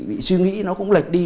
bị suy nghĩ nó cũng lệch đi